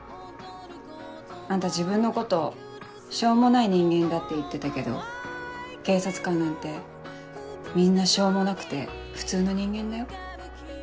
あんた自分のことしょうもない人間だって言ってたけど警察官なんてみんなしょうもなくて普通の人間だよ。